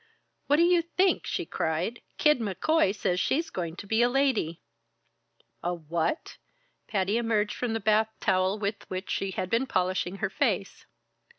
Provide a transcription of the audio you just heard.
"What do you think?" she cried. "Kid McCoy says she's going to be a lady!" "A what?" Patty emerged from the bath towel with which she had been polishing her face.